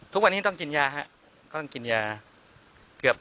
ทุกวันนี้ต้องกินยาครับ